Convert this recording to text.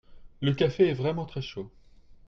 le café est vraiment très chaud.